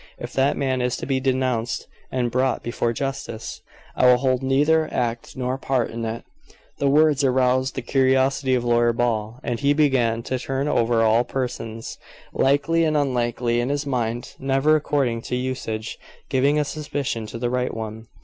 If that man is to be denounced and brought before justice, I will hold neither act nor part in it." The words aroused the curiosity of Lawyer Ball, and he began to turn over all persons, likely and unlikely, in his mind, never, according to usage, giving a suspicion to the right one.